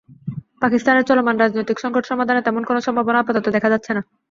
পাকিস্তানের চলমান রাজনৈতিক সংকট সমাধানে তেমন কোনো সম্ভাবনা আপাতত দেখা যাচ্ছে না।